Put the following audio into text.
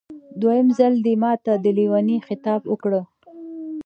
دویم ځل دې ماته د لېوني خطاب وکړ.